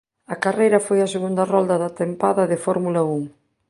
A carreira foi a segunda rolda da tempada de Fórmula Un.